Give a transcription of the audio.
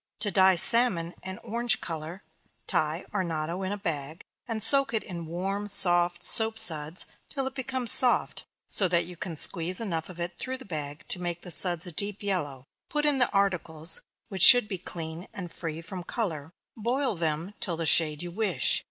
To dye salmon and orange color, tie arnotto in a bag, and soak it in warm soft soap suds, till it becomes soft, so that you can squeeze enough of it through the bag to make the suds a deep yellow put in the articles, which should be clean, and free from color; boil them till of the shade you wish.